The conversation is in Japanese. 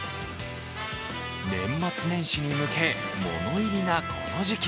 年末年始に向け物入りなこの時期。